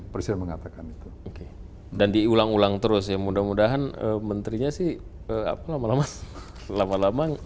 presiden mengatakan itu oke dan diulang ulang terus ya mudah mudahan menterinya sih apa lama lama